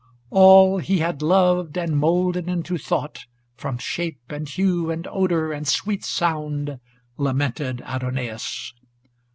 XIV All he had loved, and moulded into thought From shape, and hue, and odor, and sweet sound. Lamented Adonais.